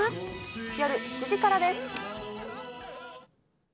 夜７時からです。